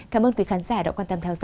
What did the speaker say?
cảm ơn quý khán giả đã quan tâm theo dõi